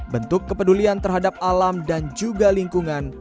bentuk kepedulian terhadap alam dan juga lingkungan